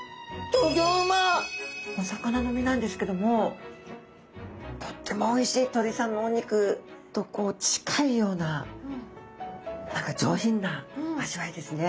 お魚の身なんですけどもとってもおいしい鶏さんのお肉とこう近いような何か上品な味わいですね。